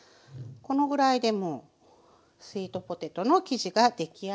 このぐらいでもうスイートポテトの生地が出来上がりです。